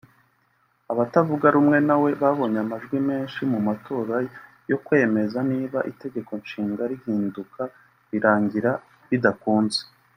Abatavuga rumwe nawe babonye amajwi menshi mu matora yo kwemeza niba itegeko nshinga rihinduka birangira bidakunze